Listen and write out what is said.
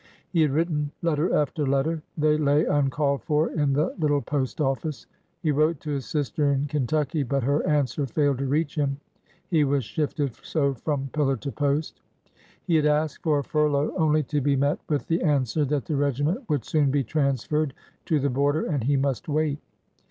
He had written letter after letter. They lay uncalled for in the little post office. He wrote to his sister in Ken tucky, but her answer failed to reach him, he was shifted so from pillar to post. He had asked for a furlough, only to be met with the answer that the regiment would soon be transferred to the border and he must wait.